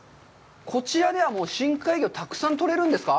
こちらでは深海魚たくさん取れるんですか？